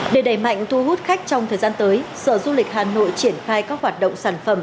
để đẩy mạnh thu hút khách trong thời gian tới sở du lịch hà nội triển khai các hoạt động sản phẩm